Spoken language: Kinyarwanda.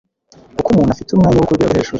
uko umuntu afite umwanya wo ku rwego rwo hejuru